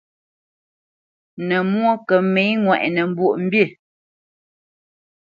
Nə̌ mwó kə mə̌ ŋwɛʼnə Mbwoʼmbî.